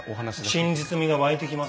真実味がわいてきます